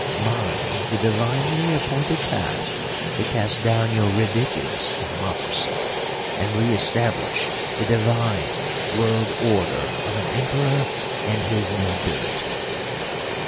Mine is the divinely appointed task to cast down your ridiculous democracies and re establish the divine world order of an Emperor and his nobility.